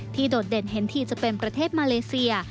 โดดเด่นเห็นทีจะเป็นประเทศมาเลเซีย